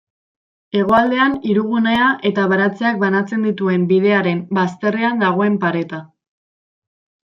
Hegoaldean hirigunea eta baratzeak banatzen dituen bidearen bazterrean dagoen pareta.